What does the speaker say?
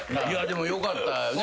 でもよかったよね。